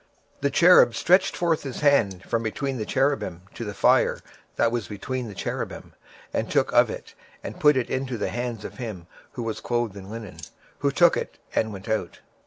26:010:007 And one cherub stretched forth his hand from between the cherubims unto the fire that was between the cherubims, and took thereof, and put it into the hands of him that was clothed with linen: who took it, and went out.